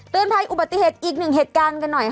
ภัยอุบัติเหตุอีกหนึ่งเหตุการณ์กันหน่อยค่ะ